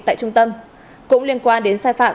tại trung tâm cũng liên quan đến sai phạm